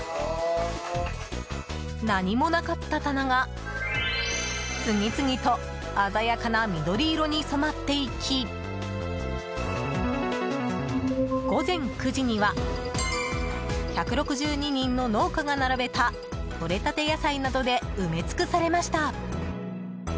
何もなかった棚が、次々と鮮やかな緑色に染まっていき午前９時には１６２人の農家が並べたとれたて野菜などで埋め尽くされました。